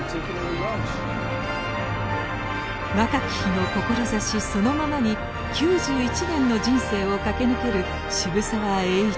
若き日の志そのままに９１年の人生を駆け抜ける渋沢栄一。